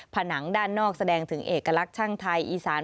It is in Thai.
ผนังด้านนอกแสดงถึงเอกลักษณ์ช่างไทยอีสาน